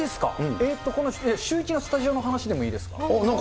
えーと、このシューイチのスタジオの話でもいいですか。